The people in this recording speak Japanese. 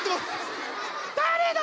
誰だ！